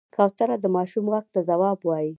کوتره د ماشوم غږ ته ځواب وايي.